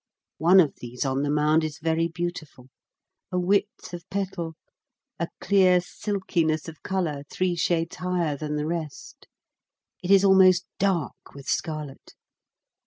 One of these on the mound is very beautiful, a width of petal, a clear silkiness of colour three shades higher than the rest it is almost dark with scarlet.